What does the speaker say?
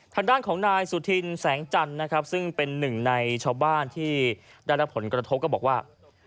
ทางด้านของนายสุธินแสงจันทร์นะครับซึ่งเป็นหนึ่งในชาวบ้านที่ได้รับผลกระทบก็บอกว่า